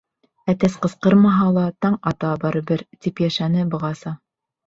Әтәс ҡысҡырмаһа ла, таң ата барыбер, тип йәшәне бығаса.